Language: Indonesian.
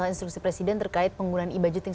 instruksi presiden terkait penggunaan e budgeting